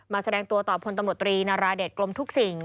แสดงตัวต่อพลตำรวจตรีนาราเดชกลมทุกสิ่ง